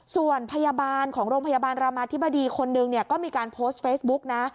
ส่วนพยาบาลของโรงพยาบาลรามาธิบดีคนหนึ่งก็มีการโพสต์เฟซบุ๊กนะ